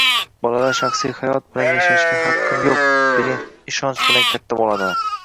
bolalar “shaxsiy hayot bilan yashashga haqqim yo‘q” degan ishonch bilan katta bo‘ladilar.